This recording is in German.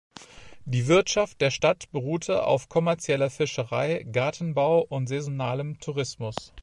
Die Wirtschaft der Stadt beruhte auf kommerzieller Fischerei, Gartenbau und saisonalem Tourismus.